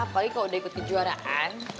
apalagi kalau udah ikut kejuaraan